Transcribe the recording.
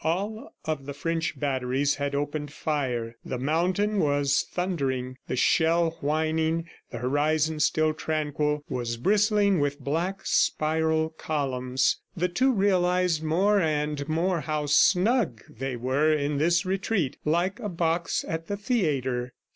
All of the French batteries had opened fire. The mountain was thundering, the shell whining, the horizon, still tranquil, was bristling with black, spiral columns. The two realized more and more how snug they were in this retreat, like a box at the theatre.